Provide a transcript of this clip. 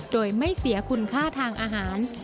โดยไม่เสียคุณค่าทางอาหาร